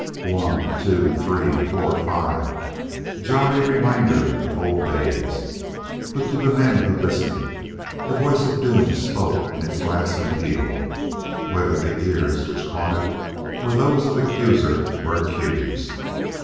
One, two, three, four, five! Jolly reminder of old days! But to the men who listened, the voice of doom spoke in its gladsome peal, whether the ears which caught it were those of accuser or accused.